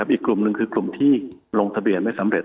อีกกลุ่มหนึ่งคือกลุ่มที่ลงทะเบียนไม่สำเร็จ